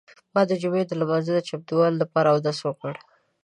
ما د جمعې د لمانځه د چمتووالي لپاره اودس وکړ.